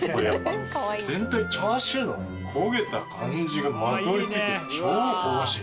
全体チャーシューの焦げた感じがまとわりついて超香ばしい。